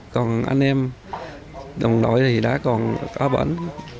còn anh em đồng đội thì đã còn có bệnh